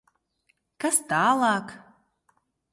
Kas tālāk?